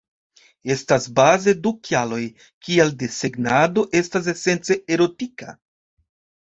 Estas baze du kialoj, kial desegnado estas esence erotika.